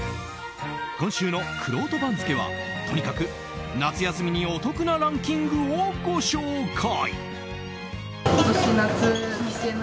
今週のくろうと番付はとにかく夏休みにお得なランキングをご紹介。